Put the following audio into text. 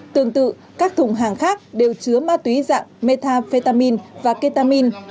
tương tự các thùng hàng khác đều chứa ma túy dạng metafetamine và ketamine